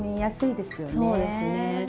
そうですね。